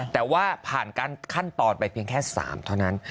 แต่ว่าผ่านขั้นตอนไปเพียงแค่๓เท่านั้น